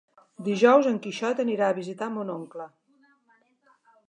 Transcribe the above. Dijous en Quixot anirà a visitar mon oncle.